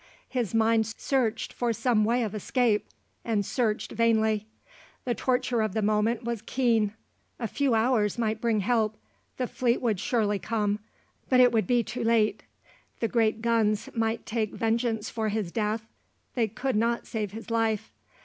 His mind searched for some way of escape, and searched vainly. The torture of the moment was keen. A few hours might bring help: the fleet would surely come; but it would be too late. The great guns might take vengeance for his death; they could not save his life.